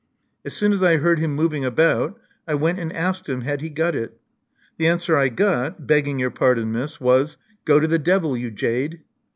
As soon as I heard him moving about, I went and asked him had he got it. The answer I got — ^begging your pardon, Miss — was, *Go to the devil, you jade.'